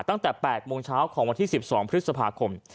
ตั้งแต่๘โมงเช้าของวันที่๑๒พฤษภาคม